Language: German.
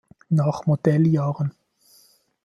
Nach Modelljahren